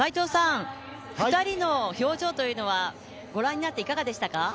２人の表情というのはご覧になっていかがでしたか。